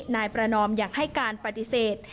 นายประนอมยังให้การปฏิเสธ